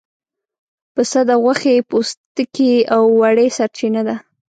پسه د غوښې، پوستکي او وړۍ سرچینه ده.